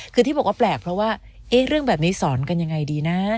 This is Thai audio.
คือที่บอกว่าแปลกเพราะว่าเรื่องแบบนี้สอนกันยังไงดีนะ